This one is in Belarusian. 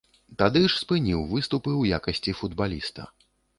Тады ж спыніў выступы ў якасці футбаліста.